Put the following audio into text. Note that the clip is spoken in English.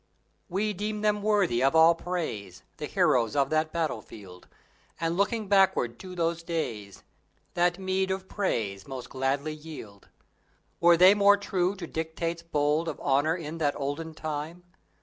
We deem them worthy of all praise, The heroes of that battlefield; And looking backward to those days, That meed of praise most gladly yield. Were they more true to dictates bold Of honor in that olden time?